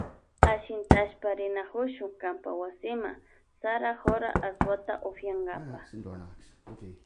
Ashintashpa rinakushun kanpa wasima sara jora asuwata upiyankapa.